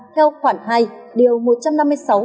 theo khoảng hai điều một trăm năm mươi sáu